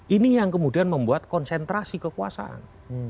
ini yang kemudian membuat konsentrasi kekuasaan